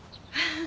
ああ。